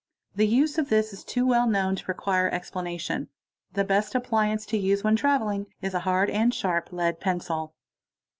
The use of this is too well nown to require explanation. The best appliance to use when travel ig is a hard and sharp lead pencil.